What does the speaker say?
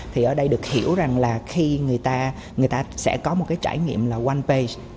thì ở đây được hiểu rằng là khi người ta sẽ có một cái trải nghiệm là one page